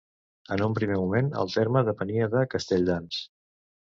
En un primer moment el terme depenia de Castelldans.